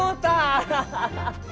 アハハハ！